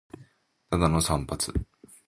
ただの散髪